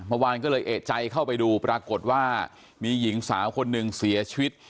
เมื่อวานก็เลยเอกใจเข้าไปดูปรากฏว่ามีหญิงสาวคนหนึ่งเสียชีวิต